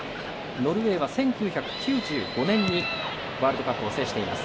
ノルウェーは１９９５年にワールドカップを制しています。